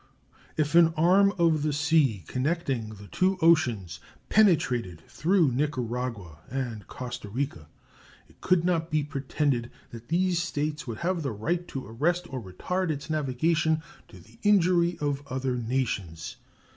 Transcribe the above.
If an arm of the sea connecting the two oceans penetrated through Nicaragua and Costa Rica, it could not be pretended that these States would have the right to arrest or retard its navigation to the injury of other nations.